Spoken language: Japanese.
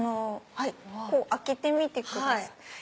開けてみてください。